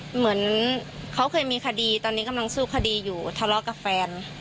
เหมือนเขาเคยมีคดีตอนนี้กำลังสู้คดีอยู่ทะเลาะกับแฟน